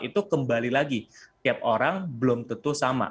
itu kembali lagi tiap orang belum tentu sama